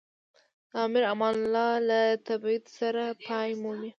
د امیر امان الله له تبعید سره پای مومي.